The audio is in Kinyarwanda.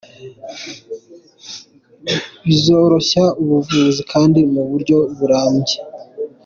Bizoroshya ubuvuzi kandi mu buryo burambye.